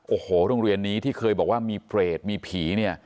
โอ้โหโรงเรียนนี้ที่เคยบอกว่ามีเปรตมีผีเนี่ย